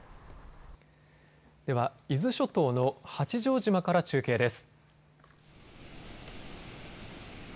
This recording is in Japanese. では伊豆諸島の八丈島から中継です。